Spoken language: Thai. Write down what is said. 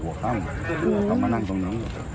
ระดับนี้